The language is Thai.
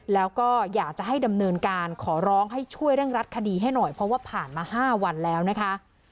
แล้วก็อยากจะให้ดำเนินการขอร้องให้ช่วยเร่งรัดคดีให้หน่อยเพราะว่าผ่านมา๕วันแล้วนะคะ